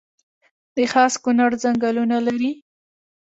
د خاص کونړ ځنګلونه لري